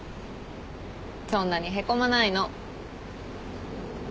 そんなにへこまないの。